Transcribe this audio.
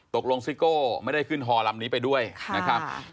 ซิโก้ไม่ได้ขึ้นฮอลำนี้ไปด้วยนะครับ